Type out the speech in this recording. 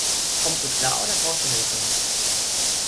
Kommst du klar, oder brauchst du Hilfe?